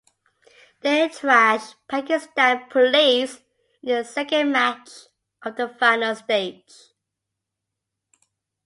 They thrashed Pakistan Police in their second match of the final stage.